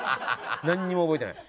なんにも覚えてない。